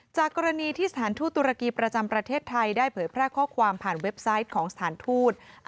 จากกรณีที่สถานทูตตุรกีประจำประเทศไทยได้เผยแพร่ข้อความผ่านเว็บไซต์ของสถานทูต